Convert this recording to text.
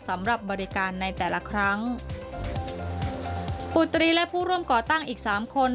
สำหรับบริการในแต่ละครั้งปุตรีและผู้ร่วมก่อตั้งอีกสามคน